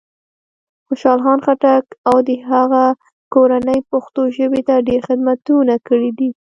خوشال خان خټک او د هغه کورنۍ پښتو ژبې ته ډېر خدمتونه کړي دی.